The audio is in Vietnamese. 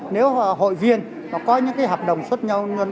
nếu hội viên có những hợp đồng xuất nhau